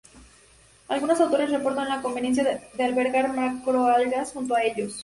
Algunos autores reportan la conveniencia de albergar macro algas junto a ellos.